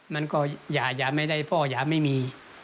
มันก็หยาไม่ได้เพราะหยาไม่มี